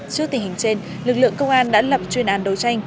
trước tình hình trên lực lượng công an đã lập chuyên án đấu tranh